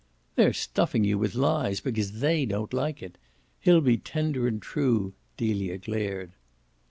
"They're stuffing you with lies because THEY don't like it. He'll be tender and true," Delia glared.